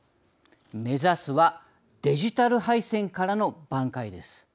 目指すはデジタル敗戦からの挽回です。